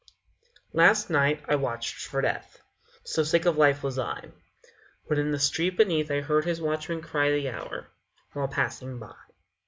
Last night I watched for Death So sick of life was I! When in the street beneath I heard his watchman cry The hour, while passing by.